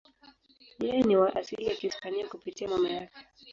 Yeye ni wa asili ya Kihispania kupitia mama yake.